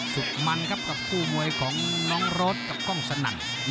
สุดมันครับกับคู่มวยของน้องรถกับกล้องสนั่น